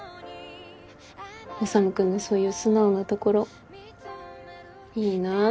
修君のそういう素直なところいいなって思ったの。